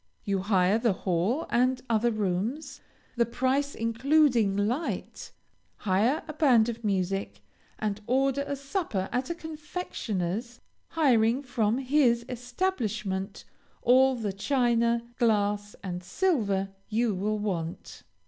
You hire the hall and other rooms, the price including light, hire a band of music, and order a supper at a confectioners, hiring from his establishment all the china, glass, and silver you will want.